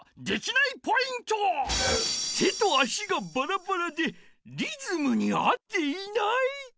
手と足がバラバラでリズムに合っていない。